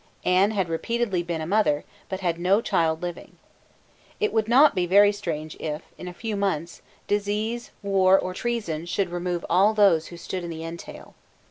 Anne had repeatedly been a mother, but had no child living. It would not be very strange if, in a few months, disease, war, or treason should remove all those who stood in the entail.